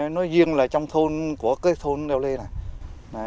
nó riêng là trong thôn của cây thôn đèo lê này